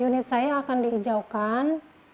unit saya akan diijaukan